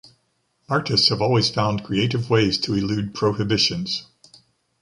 Artists have always found creative ways to elude prohibitions.